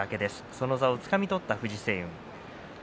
その座をつかみ取った藤青雲。